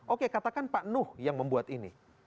oke katakan pak nuh yang membuat ini